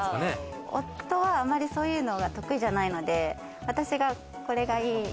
夫は、そういうのがあまり得意じゃないので、私がこれがいいって。